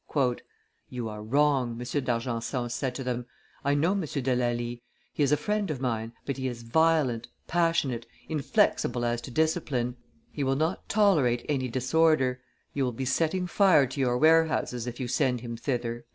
"You are wrong," M. d'Argenson said to them; "I know M. de Lally; he is a friend of mine, but he is violent, passionate, inflexible as to discipline; he will not tolerate any disorder; you will be setting fire to your warehouses, if you send him thither."